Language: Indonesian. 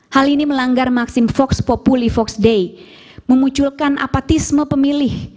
hal ini melanggar maksim fox populi fox day memunculkan apatisme pemilih